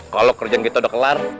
kalau kerjaan kita udah kelar